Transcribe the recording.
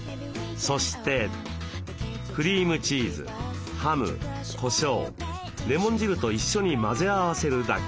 そしてクリームチーズハムこしょうレモン汁と一緒に混ぜ合わせるだけ。